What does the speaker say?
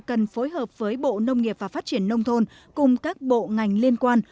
cần phối hợp với bộ nông nghiệp và phát triển nông thôn cùng các bộ ngành liên quan